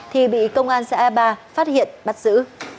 thì bị công an xã ai a ba phát hiện bắt giữ